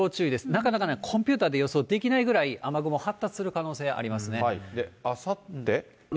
なかなかね、コンピューターで予想できないぐらい、雨雲発達する可能性ありますね。